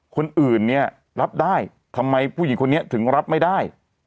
คนอื่นเนี่ยรับได้ทำไมผู้หญิงคนนี้ถึงรับไม่ได้